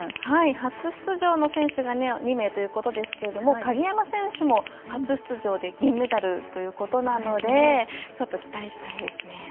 初出場の選手が２名ということですけれども鍵山選手も初出場で銀メダルということなのでちょっと期待したいですね。